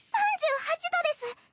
３８度です。